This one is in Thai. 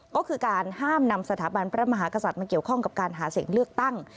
ก็คือการห้ามนำสถาบันพระมหากษัตริย์มาเกี่ยวข้องกับการหาเสียงเลือกตั้ง